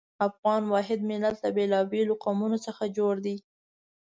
افغان واحد ملت له بېلابېلو قومونو څخه جوړ دی.